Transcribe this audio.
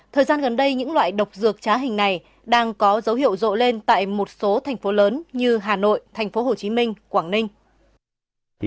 thời gian gần đây những loại độc dược trá hình này đang có dấu hiệu rộ lên tại một số thành phố lớn như hà nội tp hcm quảng ninh